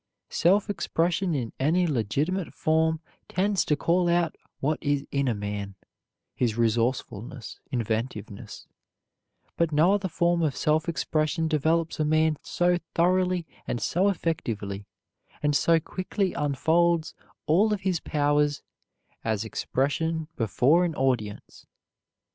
Self expression in any legitimate form tends to call out what is in a man, his resourcefulness, inventiveness; but no other form of self expression develops a man so thoroughly and so effectively, and so quickly unfolds all of his powers, as expression before an audience.